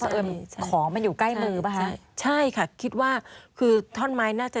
เอิญของมันอยู่ใกล้มือป่ะคะใช่ค่ะคิดว่าคือท่อนไม้น่าจะ